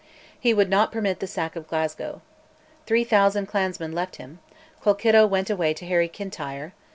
He would not permit the sack of Glasgow. Three thousand clansmen left him; Colkitto went away to harry Kintyre.